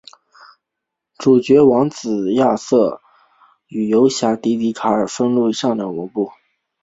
主角王子亚瑟与游侠迪迪卡兵分两路上王都。